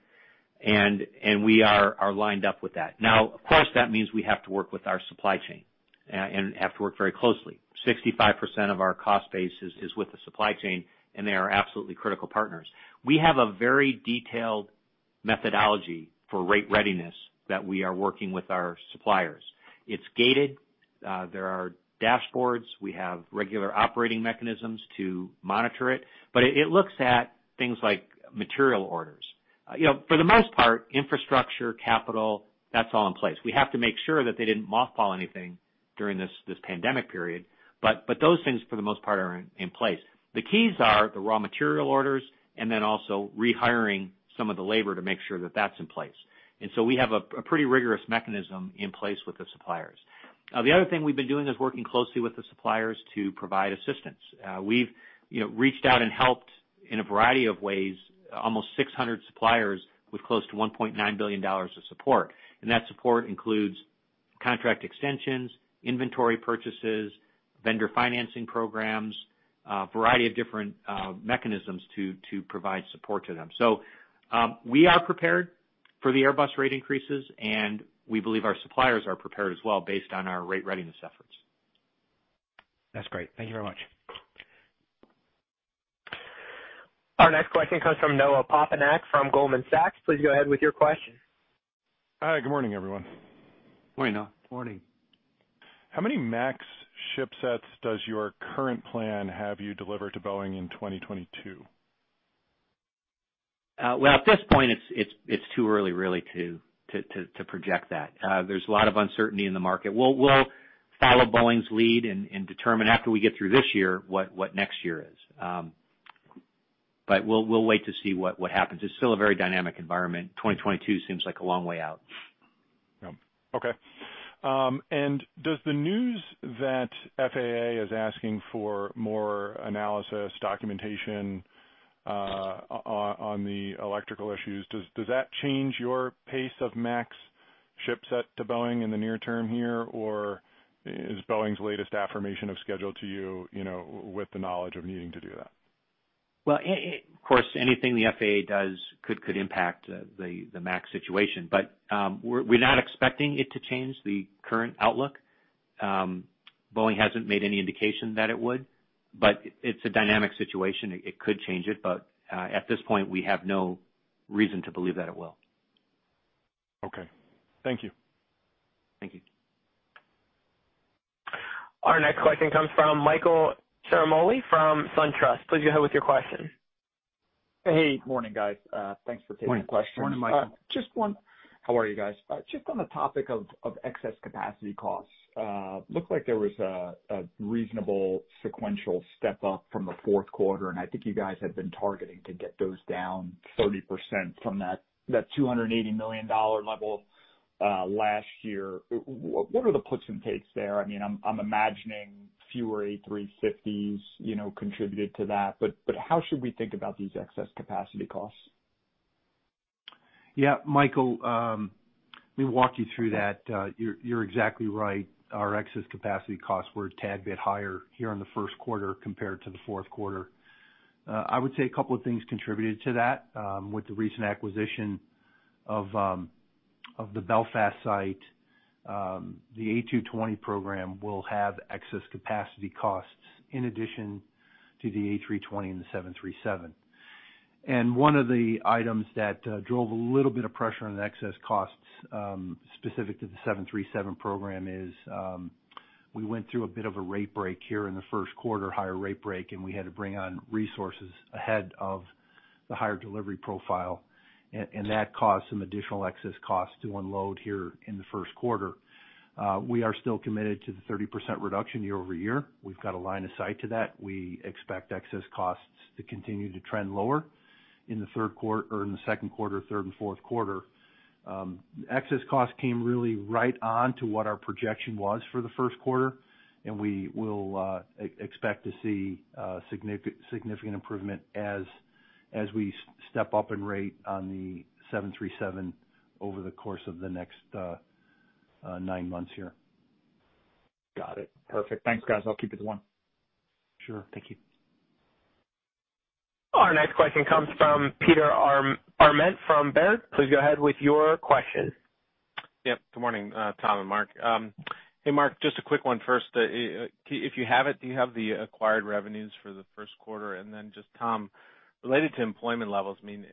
and we are lined up with that. Now, of course, that means we have to work with our supply chain, and have to work very closely. 65% of our cost base is with the supply chain, and they are absolutely critical partners. We have a very detailed methodology for rate readiness that we are working with our suppliers. It's gated, there are dashboards, we have regular operating mechanisms to monitor it, but it looks at things like material orders. You know, for the most part, infrastructure, capital, that's all in place. We have to make sure that they didn't mothball anything during this pandemic period, but those things, for the most part, are in place. The keys are the raw material orders and then also rehiring some of the labor to make sure that that's in place. And so we have a pretty rigorous mechanism in place with the suppliers. The other thing we've been doing is working closely with the suppliers to provide assistance. We've, you know, reached out and helped, in a variety of ways, almost 600 suppliers with close to $1.9 billion of support. And that support includes contract extensions, inventory purchases, vendor financing programs, a variety of different mechanisms to provide support to them. We are prepared for the Airbus rate increases, and we believe our suppliers are prepared as well, based on our rate readiness efforts. That's great. Thank you very much. Our next question comes from Noah Poponak from Goldman Sachs. Please go ahead with your question. Hi, good morning, everyone. Morning, Noah. Morning. How many MAX shipsets does your current plan have you deliver to Boeing in 2022? Well, at this point, it's too early really to project that. There's a lot of uncertainty in the market. We'll follow Boeing's lead and determine after we get through this year, what next year is. But we'll wait to see what happens. It's still a very dynamic environment. 2022 seems like a long way out. Yep. Okay. And does the news that FAA is asking for more analysis, documentation, on the electrical issues, does that change your pace of MAX shipset to Boeing in the near term here, or is Boeing's latest affirmation of schedule to you, you know, with the knowledge of needing to do that? Well, of course, anything the FAA does could impact the MAX situation, but we're not expecting it to change the current outlook. Boeing hasn't made any indication that it would, but it's a dynamic situation. It could change it, but at this point, we have no reason to believe that it will. Okay. Thank you. Thank you. Our next question comes from Michael Ciarmoli from SunTrust. Please go ahead with your question. Hey, morning, guys. Thanks for taking the questions. Morning, Michael. Just one—how are you guys? Just on the topic of excess capacity costs, looked like there was a reasonable sequential step up from the fourth quarter, and I think you guys had been targeting to get those down 30% from that $280 million level last year. What are the puts and takes there? I mean, I'm imagining fewer A350s, you know, contributed to that, but how should we think about these excess capacity costs? Yeah, Michael, let me walk you through that. You're exactly right. Our excess capacity costs were a tad bit higher here in the first quarter compared to the fourth quarter. I would say a couple of things contributed to that. With the recent acquisition of the Belfast site, the A220 program will have excess capacity costs in addition to the A320 and the 737. And one of the items that drove a little bit of pressure on the excess costs, specific to the 737 program is, we went through a bit of a rate break here in the first quarter, higher rate break, and we had to bring on resources ahead of the higher delivery profile. And that caused some additional excess costs to unload here in the first quarter. We are still committed to the 30% reduction year-over-year. We've got a line of sight to that. We expect excess costs to continue to trend lower in the third quarter or in the second quarter, third and fourth quarter. Excess costs came really right on to what our projection was for the first quarter, and we will expect to see significant improvement as we step up in rate on the 737 over the course of the next nine months here. Got it. Perfect. Thanks, guys. I'll keep it to one. Sure. Thank you. Our next question comes from Peter Arment from Baird. Please go ahead with your question. Yep. Good morning, Tom and Mark. Hey, Mark, just a quick one first. If you have it, do you have the acquired revenues for the first quarter? And then just, Tom, related to employment levels, I mean,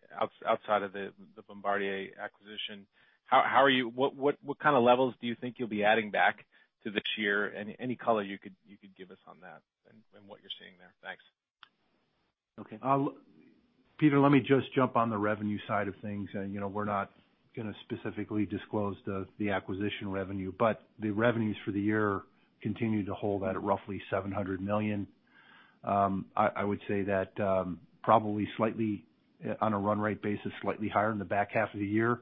outside of the Bombardier acquisition, how are you, what kind of levels do you think you'll be adding back to this year? Any color you could give us on that and what you're seeing there? Thanks. Okay. Peter, let me just jump on the revenue side of things. You know, we're not gonna specifically disclose the acquisition revenue, but the revenues for the year continue to hold at roughly $700 million. I would say that probably slightly on a run rate basis, slightly higher in the back half of the year.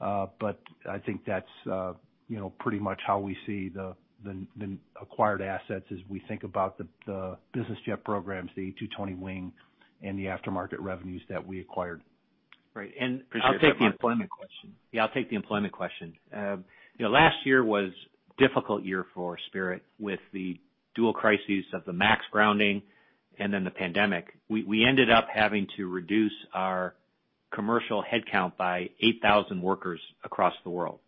But I think that's you know, pretty much how we see the acquired assets as we think about the business jet programs, the A220 wing, and the aftermarket revenues that we acquired. Great. I'll take the employment question. Yeah, I'll take the employment question. You know, last year was difficult year for Spirit, with the dual crises of the MAX grounding and then the pandemic. We ended up having to reduce our commercial headcount by 8,000 workers across the world.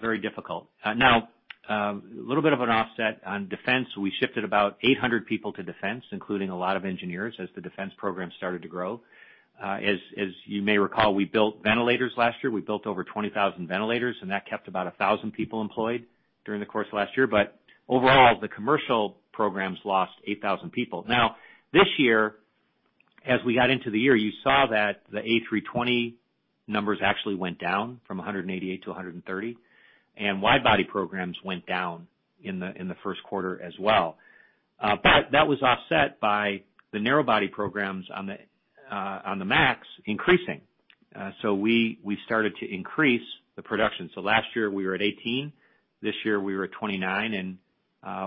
Very difficult. Now, a little bit of an offset on defense. We shifted about 800 people to defense, including a lot of engineers, as the defense program started to grow. As you may recall, we built ventilators last year. We built over 20,000 ventilators, and that kept about 1,000 people employed during the course of last year. But overall, the commercial programs lost 8,000 people. Now, this year, as we got into the year, you saw that the A320 numbers actually went down from 188 to 130, and wide-body programs went down in the first quarter as well. But that was offset by the narrow-body programs on the MAX increasing. So we started to increase the production. So last year, we were at 18. This year, we were at 29, and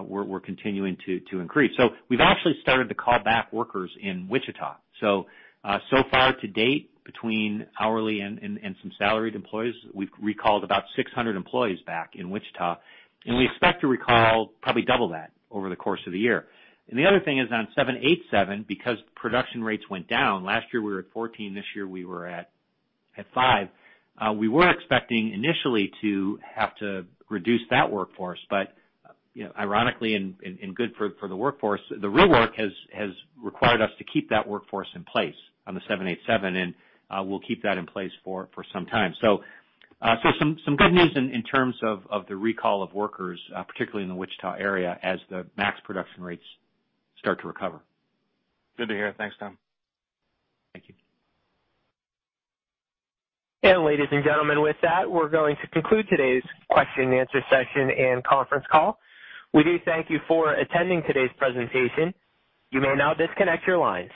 we're continuing to increase. So we've actually started to call back workers in Wichita. So, so far to date, between hourly and some salaried employees, we've recalled about 600 employees back in Wichita, and we expect to recall probably double that over the course of the year. The other thing is on 787, because production rates went down. Last year we were at 14, this year we were at 5. We were expecting initially to have to reduce that workforce, but you know, ironically, and good for the workforce, the rework has required us to keep that workforce in place on the 787, and we'll keep that in place for some time. So, some good news in terms of the recall of workers, particularly in the Wichita area, as the MAX production rates start to recover. Good to hear. Thanks, Tom. Thank you. Ladies and gentlemen, with that, we're going to conclude today's question and answer session and conference call. We do thank you for attending today's presentation. You may now disconnect your lines.